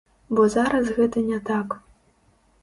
Бо зараз гэта не так.